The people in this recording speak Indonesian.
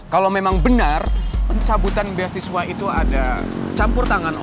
kalau memang benar pencabutan beasiswa itu ada campur tangan